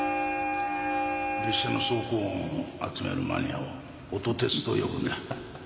列車の走行音を集めるマニアを「音鉄」と呼ぶんだ。